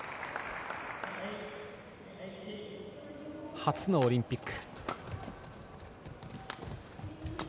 初のオリンピック。